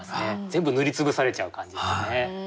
全部塗り潰されちゃう感じですよね。